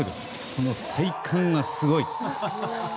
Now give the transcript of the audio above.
この体幹がすごい。